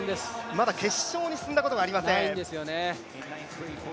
まだ決勝に進んだことがありません。